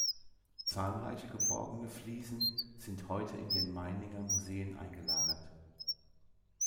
Zahlreiche geborgene Fliesen sind heute in den Meininger Museen eingelagert.